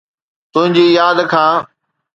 تنهنجي ياد کان